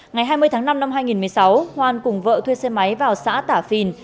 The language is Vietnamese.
ngày hai mươi tháng năm năm hai nghìn một mươi sáu hoan cùng vợ thuê xe máy vào xã tả phìn